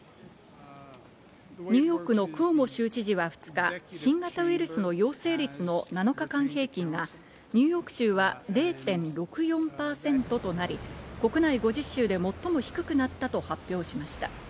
ニューヨークのクオモ州知事は２日、新型ウイルスの陽性率の７日間平均が、ニューヨーク州は０．６４％となり、国内５０州で最も低くなったと発表しました。